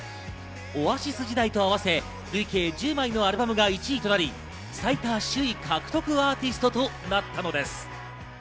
オアシス時代と合わせ、累計１０枚のアルバムが１位となり、最多首位獲得アーティストとなったのです。